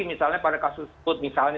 misalnya pada kasus sebut misalnya